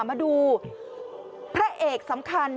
มาดูพระเอกสำคัญ